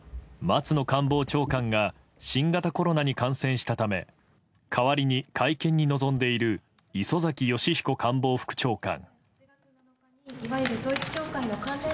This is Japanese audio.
松野官房長官が新型コロナに感染したため代わりに会見に臨んでいる磯崎仁彦官房副長官。